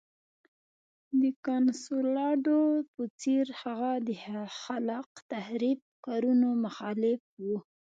د کنسولاډو په څېر هغه د خلاق تخریب کارونو مخالف و.